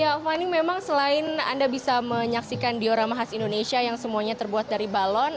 ya fani memang selain anda bisa menyaksikan diorama khas indonesia yang semuanya terbuat dari balon